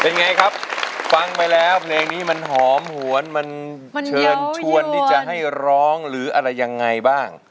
เป็นไงครับฟังไปแล้วเพลงนี้มันหอมหวนมันเชิญชวนที่จะให้ร้องหรืออะไรยังไงบ้าง